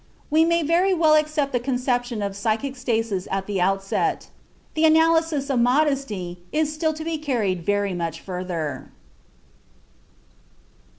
We may very well accept the conception of psychic stasis at the outset. The analysis of modesty has still to be carried very much further.